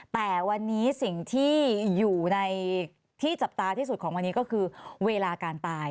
แต่วันนี้สิ่งที่อยู่ในที่จับตาที่สุดของวันนี้ก็คือเวลาการตาย